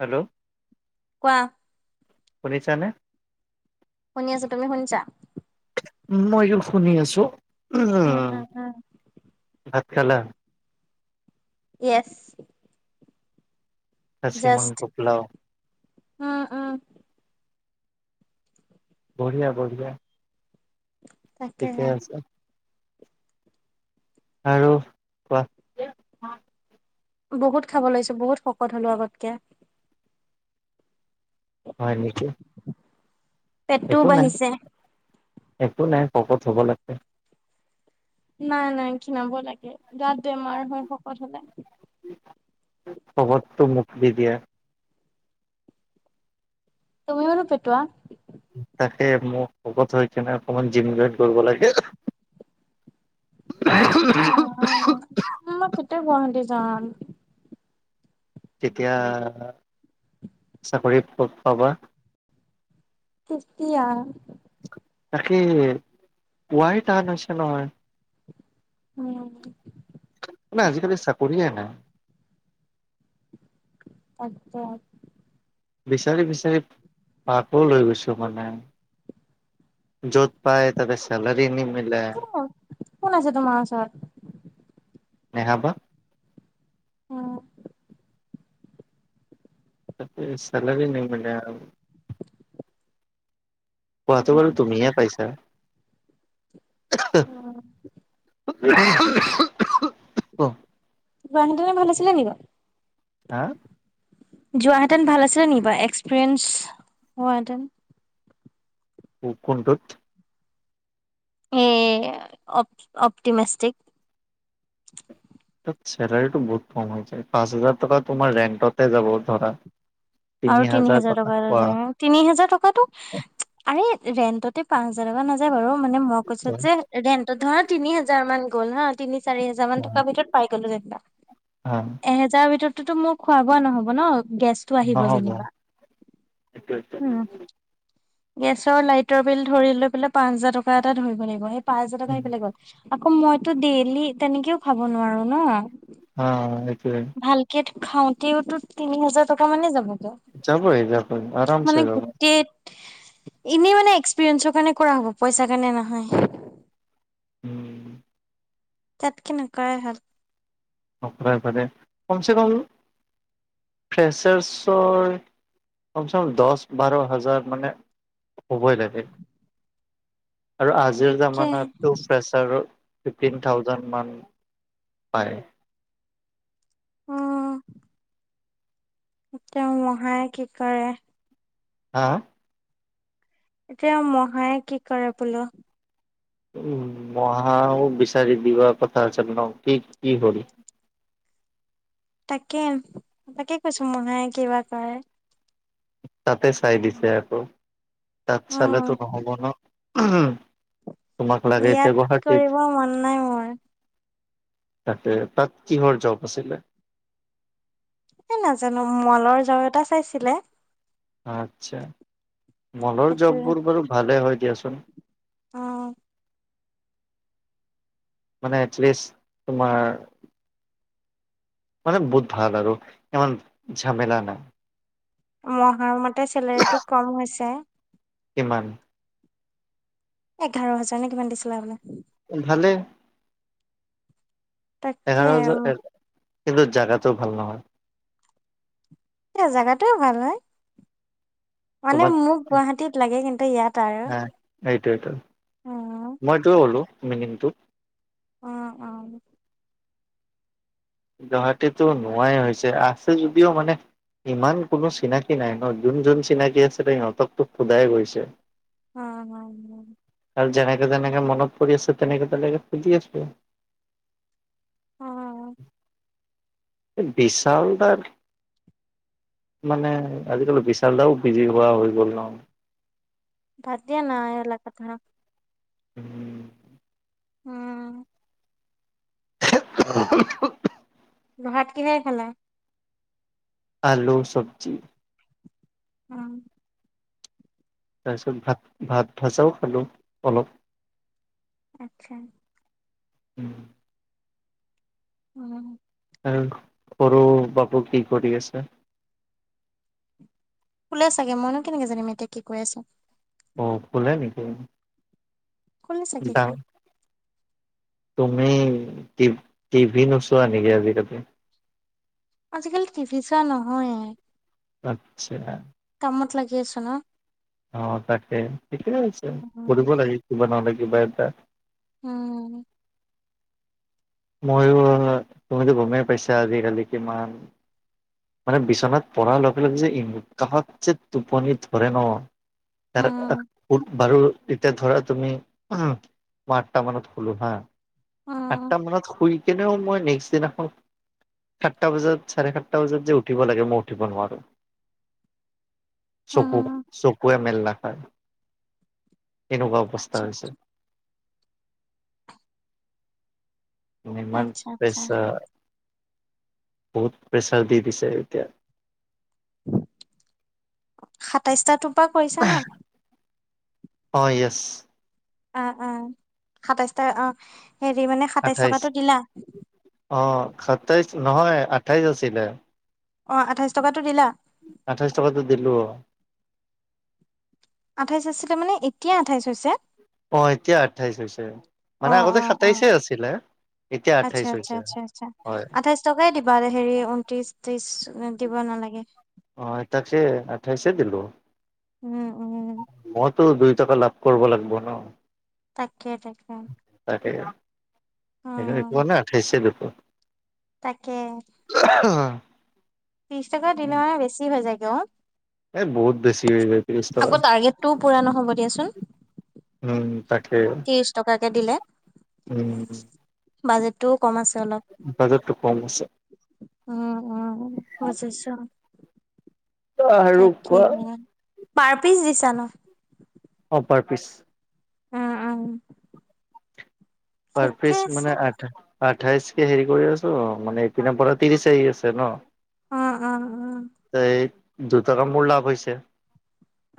Hello কোৱা শুনিছানে? শুনি আছো, তুমি শুনিছা? মই শুনি আছো, উমহ উম উম উম। ভাত খালা? য়েছ খাচী জাষ্ট, মাংস পোলাও উম উম বঢ়িয়া বঢ়িয়া ঠিকে তাকেহে আছে। আৰু কোৱা বহুত খাব লৈছো বহুত শকত হ'লো আগতকে। হয় নেকি। পেটটোও একো নাই বাঢ়িছে। একো নাই শকত হব লাগে। নাই নাই ক্ষিনাব লাগে, গাত বেমাৰ হয় শকত হলে। শকতটো মোক দি দিয়া। তুমিতো পেটোৱা তাকে মোক শকত হৈ কিনে অকমান জিম জৈন কৰিব লাগে। ৰা ৰা [unintelligible] অঁ, মই কেতিয়া গুৱাহাটী যাম। তেতিয়া চাকৰি পাবা। কেতিয়া? তাকে পোৱাইটান হৈছে নহয়। উম। না আজিকালি চাকৰিয়ে নাই। আচ্ছা। বিচাৰি বিচাৰি পাগল হৈ গৈছো মানে। যত পাই তাতে চেলাৰি নিমিলে। ক কোন আছে তোমাৰ ওচৰত? নেহা বা অঁ ত ছেলাৰি নিমিলে। কোৱাটো বাৰু তুমিয়ে পাইছা। [unintelligible] গুৱাহাটীতে ভাল আছিলে নেকি বাৰু হা। যোৱাহেঁতেন ভাল আছিলে নেকি বা এক্সপিৰিয়েঞ্চ হোৱাহেঁতেন কো কোনটোত? এ অপ অপটিমেচষ্টিক চেলাৰিটো বহুত কম হৈছে, পাঁচ হাজাৰ টকা তোমাৰ ৰেণ্টতে যাব ধৰা আৰু তিনি হাজাৰ টকাৰ নোজোৰে তিনি হাজাৰ টকাটো, আৰে ৰেন্টতে পাঁচ হাজাৰ টকা নাযায় বাৰু মানে মই কৈছো যে ৰেন্টত ধৰা তিনি হাজাৰ মান গ'ল হা তিনি চাৰি হেজাৰ মান টকা ভিতৰত পাই গ'লো যেনিবা এহেজাৰ ভিতৰতো মোক খোৱা বোৱা নহ'ব ন গেছটো আহিব নহ'ব। অ যেনিবা, সেইটোৱে উম। গেছৰ লাইটৰ বিল ধৰি লৈ পেলাই পাঁচ হাজাৰ টকা এটা ধৰিব লাগিব সেই পাঁচ হাজাৰ টকা সেইফালে গ'ল আকৌ মইতো ডেইলি তেনেকেও খাব নোৱাৰো ন অ সেইটোৱেই ভালকে খাওঁতেওতো তিনি হাজাৰ টকা মানে যাব। যাবই যাবই আৰামছে মানে যাব। গোটেই এনেই মানে এক্সপিৰিয়েঞ্চৰ কাৰণে কৰা হ'ব পইচা কাৰণে নহয়। উম। তাত কে নকৰাই ভাল। অফ্লাইন পালে, কমছে কম ফ্ৰেচাৰছৰ, কমচে কম দহ -বাৰ হাজাৰ মানে হ'বই লাগে আৰু আজিৰ তাকে জামানাতটো ফ্ৰেচাৰেও ফিফটিন থাউজেণ্ড মান পায় উম। এতিয়া মহায়ে কি কৰে। হা। এতিয়া মহায়ে কি কৰে বোলো। উ মহাও বিচাৰি দিবা কথা আছিল ন, কি কি হল? তাকে, তাকে কৈছো মাহাই কিবা কৰে। তাতে চাই দিছে আকৌ তাত চালেতো উম নহ'ব ন? উমহম তোমাক লাগে ইয়াত এতিয়া গুৱাহাটীত কৰিব মন নাই মোৰ তাকেই, তাত কিহৰ জব আছিলে। এ নাজানো মলৰ জব এটা চাইছিলে। আতচ্ছা মলৰ সেইটো জববোৰ বাৰু ভালে হয় দিয়াচোন। অ। মানে এটলিষ্ট তোমাৰ মানে বহুত ভাল আৰু ইমান ঝামেলা নাই। মহাৰ মতে চেলেৰিটো কম হৈছে। কিমান? এঘাৰ হাজাৰ নে কিমান দিছিলে বোলে। ভালে। তাকে এঘাৰ হাজাৰ কিন্তু জাগাটো ভাল নহয়। এ জাগাতো ভাল হয়। মানে মোক গুৱাহাটীত লাগে কিন্তু ইয়াত আৰু হয় এইটোৱেটো, উম মই এটোৱে কলো মিনিংটো। অহ, অহ। গুৱাহাটীতো নোহোৱাই হৈছে আছে যদিও মানে ইমান কোনো চিনাকি নাই ন, যোন যোন চিনাকি আছে সিহঁতকতো সোধাই গৈছে। হয়, হয়, হয়। আৰু যেনেকে যেনেকে মনত পৰি আছে। তেনেকে তেনেকে সুধি আছো। উম। এই বিশাল তাৰ মানে আজিকালি বিশচালদাও বিজি হোৱা হৈ গ'ল ন? বাদ দিয়া না এইবিলাক কথা। উম। উম। অহ হ উহু। ভাত কিহেৰে খালা? আলু চবজি। উম। তাৰপিছত ভাত ভাত ভজাও খালোঁ অলপ। আচ্ছা। ওম। উ'ম। এই সৰু বাবু কি কৰি আছে? খোলে চাগে মইনো কেনেকে জানিম এতিয়া কি কৈ আছো? অ খোল নেকি? শুলে চাগে সি দাম তুমি টি টিভি নোচোৱা নেকি আজিকালি? আজিকালি টিভি চোৱা নহয়। আচ্ছা। কামত লাগে ছন। অ তাকে ঠিকে আছে, উম কৰিব লাগে কিবা নহলে কিবা এটা। উ'ম। মইয়ো মইয়ো, তুমিতো গমেই পাইছা আজিকালি কিমান মানে বিচনাত পঢ়াৰ লগে লগে যে ই কাহত যে টোপনি ধৰে ন। এইটো এটা উম কত বাৰু। এতিয়া ধৰা তুমি উহুম আঠটা মানত খোলো হা। উম আঠটা মানত শুই কেনেও মই নেক্সট দিনা এখন সাতটা বজাত চাৰে সাত তাৰ পিছত যে উঠিব লাগে মই উঠিব নোৱাৰো। চকু উম চকুৱে মেল নাখায়, এনেকুৱা আচ্ছা অৱস্থা হৈছে। ইমান আচ্ছা আচ্ছা প্ৰেচাৰ বহুত, প্ৰেছাৰ দি দিছে এতিয়া। সাতাইশ টাটোৰ পৰা কৰিছা ন? অঁ য়েছ। অ অ সাতাইছ টকা অ হেৰি মানে সাতাইছ টকাটো দিলা। অঁ সাতাইছ নহয় আঠাইছ আছিলে। অ আঠাইছ টকাটো দিলা? আঠাইশ টকাতো দিলো। আঠাইছ আছিলে মানে এতিয়া আঠাইছ হৈছে। অ এতিয়া আঠাইছ হৈছে, অ মানে আগতে অ অ সাতাইছে আছিলে। এতিয়া আচ্ছা আঠাইছ আচ্ছা হৈছে আচ্ছা আচ্ছা হয়। আঠাইশ টকাই দিবা হেৰি ঊনত্ৰিশ - ত্ৰিশ দিব নালাগে। অহঁ এতিয়াটো আঠাইছে দিলোঁ। উ'ম উ'ম। মইতো দুই টকা লাভ কৰিব লাগিব ন? তাকেই তাকেই। তাকে একোৱা না আঁঠাইশে দুপো। তাকে। ৱা হ। ত্ৰিছ টকা দিনৱে বেছি হৈ যায়গে অঁ। এ বহুত বেছি হৈ যায় ত্ৰিশ টকা আকৌ টাৰ্গেটটো পুৰা নহ'ব দিয়াচোন। উম উ উ তাকে, ত্ৰিশ টকাকে দিলে উম উ উ বাজেটটোও কম আছে অলপ। বাজেটটো কম আছে। উম উ'ম বুজিছো। আৰু কোৱা তাকেহে পাৰ পিচ দিছা ন। অঁ পাৰ পিছ। অ'হ, অ'হ। পাৰ পিচ মানে আঠা আঠাইছকে হেৰি কৰি আছোঁ মানে এইপিনৰ পৰা ত্ৰিছ আহি আছে ন। অঁ অঁ অ অ অ এইত দুটকা মোৰ লাভ হৈছে।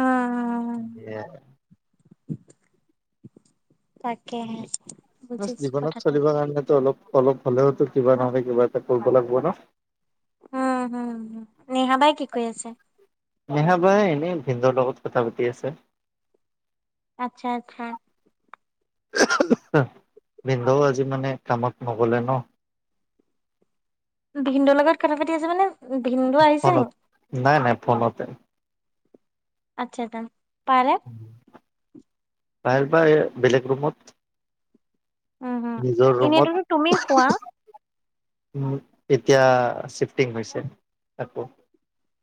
উম এয়াই তাকেহে বচ বুজিছো জীৱনত কথাটো চলিব কাৰণেতো অলপ অলপ হ'লেওতো কিবা নহয় কিবা এটা কৰিব লাগব ন। উম হুম হুম, নেহা বাই কি কৰি আছে? নেহা বাই এনেই ভিনদেউৰ লগত কথা পাতি আছে। আচ্ছা আচ্ছা। এহঃ উহঃ আহ ভিনদেউ আজি মানে কামত নগলে ন। ভিনদেউৰ লগত কথা পাতি আছে মানে ভিনদেউ আহিছে নি। ফোনত নাই নাই ফোনতে। আচ্ছা ডান। তাহলে হু হু চু ভাল পাই এ বেলেগ ৰুমত চুচ উম হম নিজৰ ৰুমত এনেইতোতো তুমি উহঃ খোৱা উহ উম উ এতিয়া শিফ্টিং হৈছে আকৌ।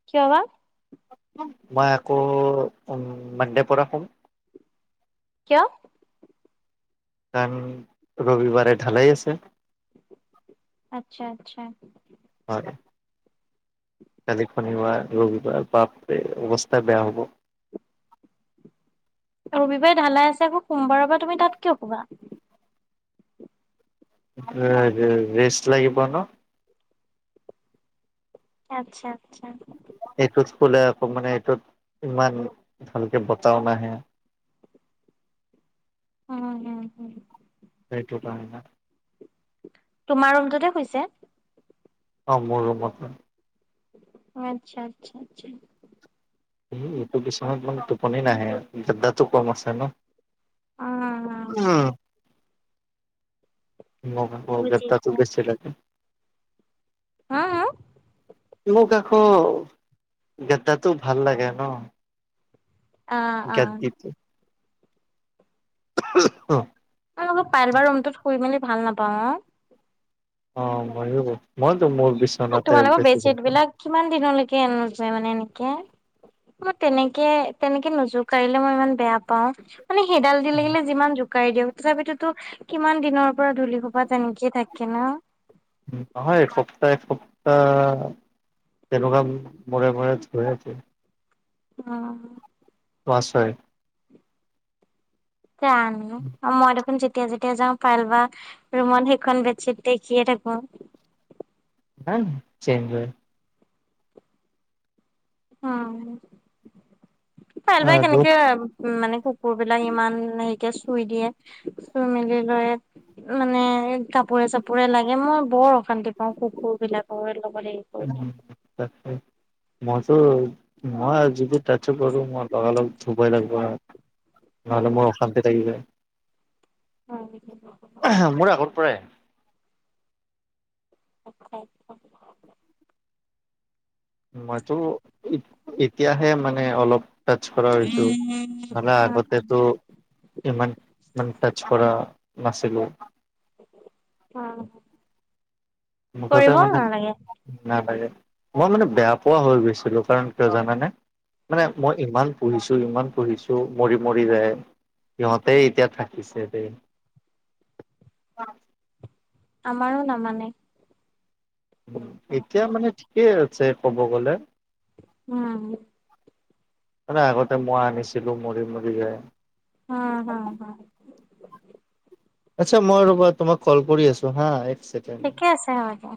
কি কলা? কম নেকি। মই আকৌ উম মানডে পৰা শুম। কিয়? কাৰণ ৰবিবাৰে ঢালাই আছে। আচ্ছা আচ্ছা। হয় দে। টো টু কালি শনিবাৰ ৰবিবাৰ বাপৰে অৱস্থা বেয়া হ'ব। ৰবিবাৰে ঢালাই আছে আকৌ সোমবাৰৰ পৰা তুমি তাত কিয় শুবা? ৰে ৰে ৰেষ্ট লাগিব ন। এ আচ্ছা আচ্ছা। এইটোত কলে আকৌ মানে এইটোত ইমান ভালকে বতাহও নাহে। [unintelligible] সেইটো কাৰণে না তোমাৰ ৰুমটোতে শুইছে। অঁ মোৰ ৰুমত শুম। আচ্ছা আচ্ছা আচ্ছা। এই এইটো বিছনাত মানে টোপনি নাহে আ গাদ্দাটো কম আছে ন। উম উ। নহ'ব ন গেটাকৈ বুজিছো বেছি লাগে। হা আ হ। মোক আকৌ গেটাতটো ভাল লাগে ন। অ অ গাদ্দিটো উহঃ অহ মই লগত পায়েলবাৰ ৰুমতটোত শুই মেলি ভাল নাপাওঁ অ। অ মইয়ো। মইতো মোৰ এ বিচনাতে তোমালোকৰ বেছি ভাল বেডশ্বীট পাওঁ। বিলাক কিমান দিনলৈকে আনা যায় মানে এনেকে। মই তেনেকে তেনেকে নোযোকাৰিলে মই ইমান বেয়া পাও মানে সেইডাল দি লাগিলে যিমান যো- কাই দিয়ক তথাপিতোতো কিমান দিনৰ পৰা ধূলি সোপা তেনেকেই থাকে ন। নহয় এসপ্তাহ এসপ্তাহ তেনকুৱা মৰে মৰে ধুৱে যে। অ অ। তোৱা চৰাই। জানোঁ মই দেখোন যেত- তিয়া যেতিয়া যাওঁ পাইল বা ৰুমত সেইখন বেডশ্বীট দেখিয়ে থাকো। না না চেঞ্জ হয়। অহ পাইল বাই আৰু কেনেকে এ উ মানে কুকুৰ বিলাক ইমান হেৰিকে চুই দিয়ে চুই মেলি লৈ মানে কাপোৰে চাপোৰে লাগে মই বৰ অশান্তি পাও কুকুৰ বিলাক লগত এই উম। তাকেই মইতো মই যেতিয়া টাচো কৰো মই লগালগ ধুবই লাগব হাত নহ'লে মো উম অশান্তি থাকিব যায়। [unintelligible] মোৰ আগৰ পৰাই অখাইত ন মইতো এতিয়াহে মানে অলপ তাচ কৰা হৈছো মানে আগতেতো ইমান ইমান টাচ কৰা নাছিলোঁ। কৰা নাছিল। মুখতে মানেম নালাগে, মই মানে বেয়া পোৱা হৈ গৈছিলোঁ কাৰণ কিয় জানানে? মানে মই ইমান পুহিছো ইমান পুহিছো মৰি মৰি যায় সিহঁতে এতিয়া থাকিছে দে আমাৰো নামানে এতিয়া উম মানে ঠিকে আছে ক'ব গ'লে। উম। মানে আগতে মই আনিছিলোঁ মৰি মৰি যায়। হা হা হা আচ্ছা মই ৰ'বা তোমাক কল কৰি আছো হা একচে- ঠিকে আছে অদা